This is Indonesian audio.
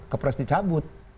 ke pres di cabut